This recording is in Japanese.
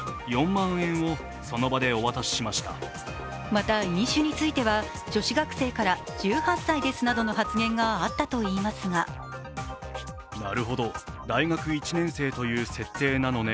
また、飲酒については女子学生から１８歳ですなどの発言があったといいますがと釈明。